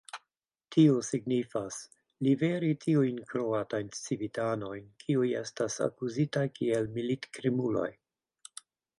Tio signifas: liveri tiujn kroatajn civitanojn, kiuj estas akuzitaj kiel militkrimuloj.